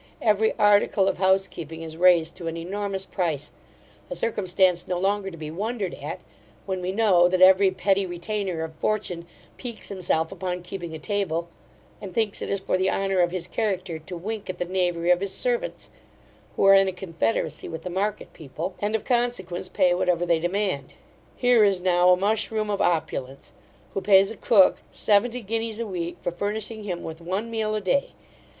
Every article of house keeping is raised to an enormous price; a circumstance no longer to be wondered at, when we know that every petty retainer of fortune piques himself upon keeping a table, and thinks it is for the honour of his character to wink at the knavery of his servants, who are in a confederacy with the market people; and, of consequence, pay whatever they demand. Here is now a mushroom of opulence, who pays a cook seventy guineas a week for furnishing him with one meal a day.